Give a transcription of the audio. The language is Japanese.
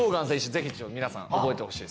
ぜひ皆さん覚えてほしいですね。